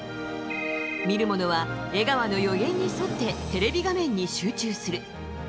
見る者は江川の予言に沿ってテレビ画面に集中する。